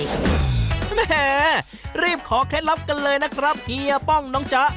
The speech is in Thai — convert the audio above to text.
แหมรีบขอเคล็ดลับกันเลยนะครับเฮียป้องน้องจ๊ะ